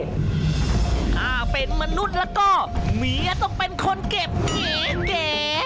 ถ้าเป็นมนุษย์แล้วก็เมียต้องเป็นคนเก็บผีเก๋